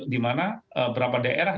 di mana berapa daerah